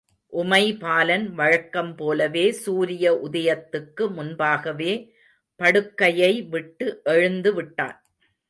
உமைபாலன் வழக்கம்போலவே சூரிய உதயத்துக்கு முன்பாகவே படுக்கையை விட்டு எழுந்துவிட்டான்.